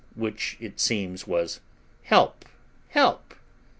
which, it seems, was, "Help, help!"